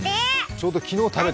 ちょうど昨日食べたよ。